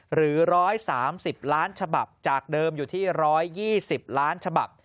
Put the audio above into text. หรือ๑๓๐ล้านฉบับจากเดิมอยู่ที่๑๒๐ล้านฉบับ